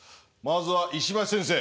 まずは石橋先生。